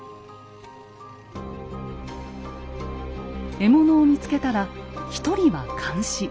獲物を見つけたら一人は監視。